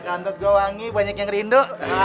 kentut gue wangi banyak yang rindu